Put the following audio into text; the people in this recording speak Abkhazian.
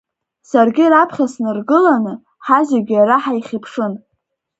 Саргьы раԥхьа снаргыланы, ҳазегь иара ҳаихьыԥшын.